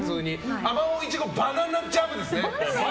あまおういちごバナナジャムですね。